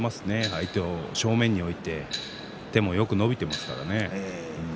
相手を正面に置いて手もよく伸びていますからね。